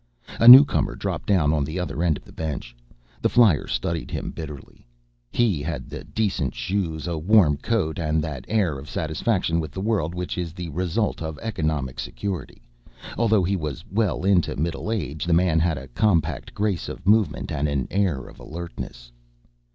A newcomer dropped down on the other end of the bench. The flyer studied him bitterly. He had decent shoes, a warm coat, and that air of satisfaction with the world which is the result of economic security. Although he was well into middle age, the man had a compact grace of movement and an air of alertness.